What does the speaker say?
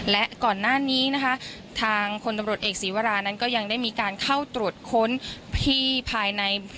และก่อนหน้านี้นะคะทางคนตำรวจเอกศีวรานั้นก็ยังได้มีการเข้าตรวจค้นที่ภายใน